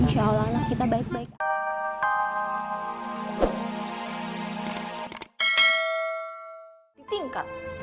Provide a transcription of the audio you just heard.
insya allah lah kita baik baik